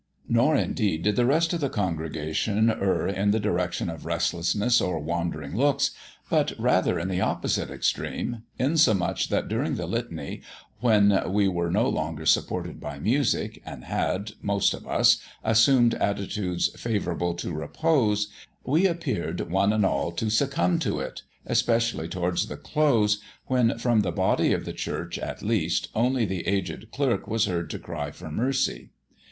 Nor, indeed, did the rest of the congregation err in the direction of restlessness or wandering looks, but rather in the opposite extreme, insomuch that during the litany, when we were no longer supported by music, and had, most of us, assumed attitudes favourable to repose, we appeared one and all to succumb to it, especially towards the close, when, from the body of the church at least, only the aged clerk was heard to cry for mercy.